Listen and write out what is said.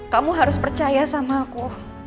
kamu harus percaya sama aku